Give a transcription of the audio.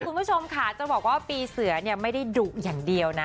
คุณผู้ชมค่ะจะบอกว่าปีเสือเนี่ยไม่ได้ดุอย่างเดียวนะ